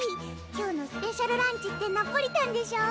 今日のスペシャルランチってナポリタンでしょ？